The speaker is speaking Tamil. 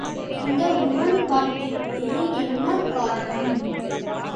இந்த முரண்பாட்டிற்கு என்ன காரணம்?